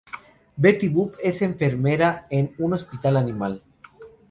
Betty Boop es enfermera en un Hospital Animal.